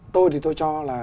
tôi thì tôi cho là